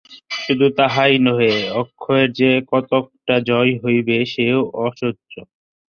শুধু তাহাই নহে, অক্ষয়ের যে কতকটা জয় হইবে, সেও অসহ্য।